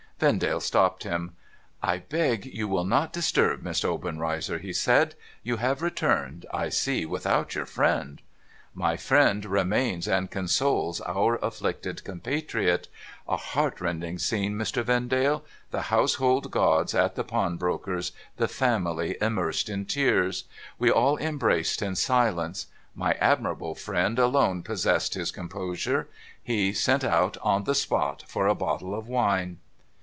Vendale stopped him. ' I beg you will not disturb Miss Obenreizer,' he said. ' You have returned, I see, without your friend ?'' My friend remains, and consoles our afflicted compatriot. A heart rending scene, Mr. Vendale ! The household gods at the pawnbroker's — the family immersed in tears. We all embraced in silence. My admirable friend alone possessed his composure. He sent out, on the spot, for a bottle of wine.'